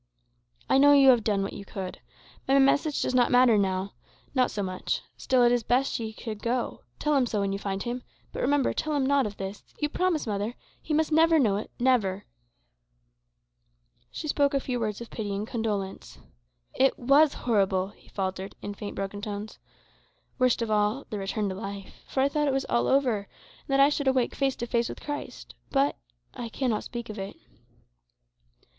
"I know you have done what you could. My message does not matter now. Not so much. Still, best he should go. Tell him so, when you find him. But, remember, tell him nought of this. You promise, mother! He must never know it never!" She spoke a few words of pity and condolence. "It was horrible!" he faltered, in faint, broken tones. "Worst of all the return to life. For I thought all was over, and that I should awake face to face with Christ. But I cannot speak of it."